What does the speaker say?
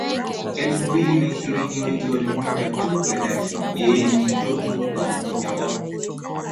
elfu mbili na ishirini Wengi walimuita tu Gaddafi Yeye ni mtoto wa mmoja wa